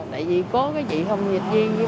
tại vì có cái chị không dịch viên với bà